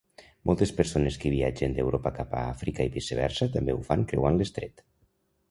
Moltes persones que viatgen d'Europa cap a Àfrica i viceversa també ho fan creuant l'estret.